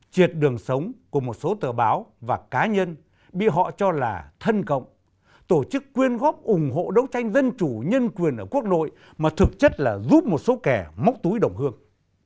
triệt đường sống của một số tờ báo và cá nhân bị họ cho là thân cộng tổ chức quyên góp ủng hộ đấu tranh dân chủ nhân quyền ở quốc nội mà thực chất là giúp một số kẻ móc túi đồng hương